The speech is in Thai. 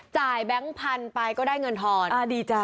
จ่ายแบงค์พันธุ์ไปก็ได้เงินทอนอ่าดีจ่ะ